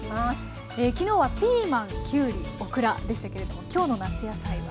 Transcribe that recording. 昨日はピーマンキュウリオクラでしたけれども今日の夏野菜は？